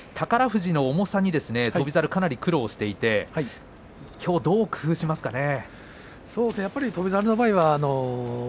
富士の重さに翔猿かなり苦労していてきょうどう工夫しますかね。